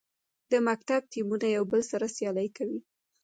د مکتب ټیمونه یو بل سره سیالي کوي.